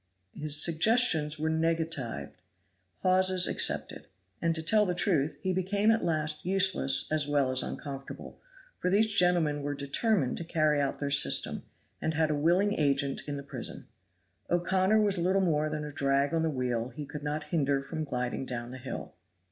His suggestions were negatived; Hawes's accepted. And, to tell the truth, he became at last useless as well as uncomfortable; for these gentlemen were determined to carry out their system, and had a willing agent in the prison. O'Connor was little more than a drag on the wheel he could not hinder from gliding down the hill.